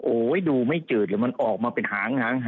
โอ๊ยดูไม่จืดหรือมันออกมาเป็นหาง